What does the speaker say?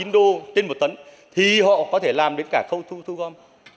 tám mươi chín đô trên một tấn thì họ có thể làm đến cả khâu thu thu gom